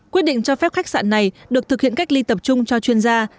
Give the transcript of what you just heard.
quyết định cho phép khách sạn này được thực hiện cách ly tập trung cho chuyên gia